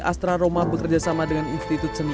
astra roma bekerjasama dengan institut seni